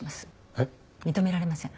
えっ？認められません。